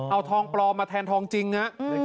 เอาทองปลอมมาแทนทองจริง